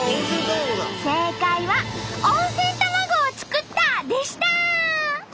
正解は「温泉卵を作った」でした！